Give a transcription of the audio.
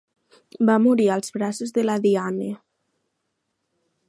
Va morir als braços de la Diane.